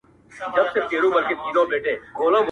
زموږ له ژونده سره کار دی، موږ مرگ نه غواړو هیچا ته.